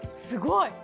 すごい。